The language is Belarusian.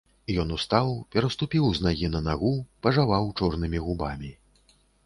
Ён устаў, пераступіў з нагі на нагу, пажаваў чорнымі губамі.